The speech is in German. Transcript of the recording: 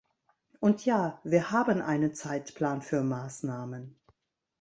Und ja, wir haben einen Zeitplan für Maßnahmen.